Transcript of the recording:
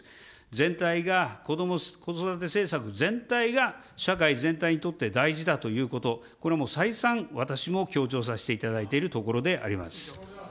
全体が、こども・子育て政策全体が、社会全体にとって大事だということ、これはもう再三、私も強調させていただいているところであります。